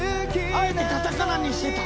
あえてカタカナにしてた。